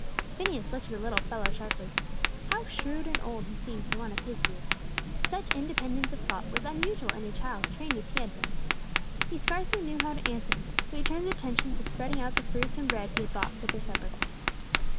Phineas looked at the little fellow sharply. How shrewd and old he seemed for one of his years! Such independence of thought was unusual in a child trained as he had been. He scarcely knew how to answer him, so he turned his attention to spreading out the fruits and bread he had brought for their supper.